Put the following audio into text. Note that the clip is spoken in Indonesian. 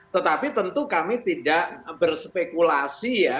tetapi tentu kami tidak berspekulasi ya